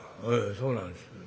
「ええそうなんです。